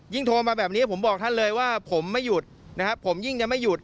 โทรมาแบบนี้ผมบอกท่านเลยว่าผมไม่หยุดนะครับผมยิ่งยังไม่หยุด